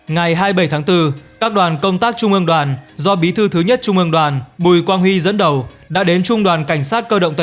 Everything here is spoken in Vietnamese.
ngày hai mươi bảy tháng bốn các đoàn công tác trung ương đoàn do bí thư thứ nhất trung ương đoàn bùi quang huy dẫn đầu đã đến trung đoàn cảnh sát cơ động tám